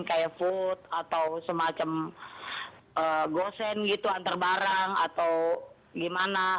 kayak food atau semacam gosen gitu antar barang atau gimana